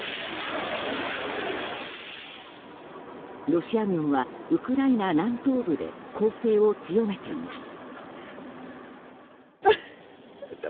ロシア軍はウクライナ南東部で攻勢を強めています。